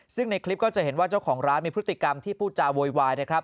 ซึ่งในคลิปก็จะเห็นว่าเจ้าของร้านมีพฤติกรรมที่พูดจาโวยวายนะครับ